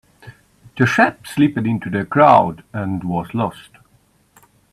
The chap slipped into the crowd and was lost.